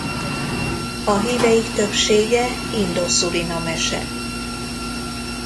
A híveik többsége indo-surinamese.